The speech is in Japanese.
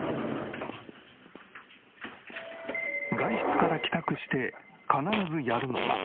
外出から帰宅して必ずやるのが。